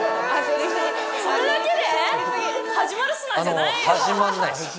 それだけで？